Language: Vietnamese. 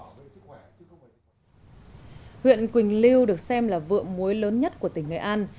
huyện quỳnh lưu được xem là vượng mối lớn nhất của tỉnh nghệ an